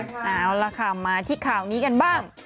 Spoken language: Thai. เอาล่ะค่ะมาที่ข่าวนี้กันบ้าง